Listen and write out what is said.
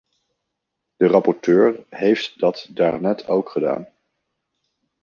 De rapporteur heeft dat daarnet ook gedaan.